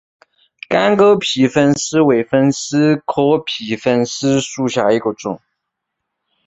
干沟皮粉虱为粉虱科皮粉虱属下的一个种。